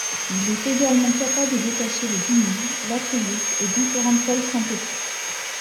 Il est également capable de détacher le vinyle, l'acrylique et différentes colles synthétiques.